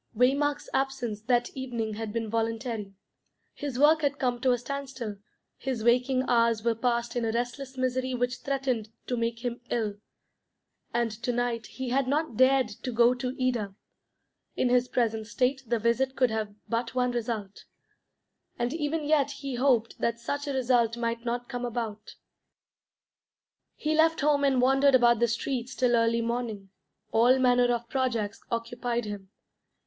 Waymark's absence that evening had been voluntary. His work had come to a standstill; his waking hours were passed in a restless misery which threatened to make him ill. And to night he had not dared to go to Ida; in his present state the visit could have but one result, and even yet he hoped that such a result might not come about. He left home and wandered about the streets till early morning. All manner of projects occupied him.